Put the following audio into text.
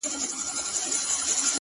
o اوس به ورته ډېر ؛ډېر انـتـظـار كوم؛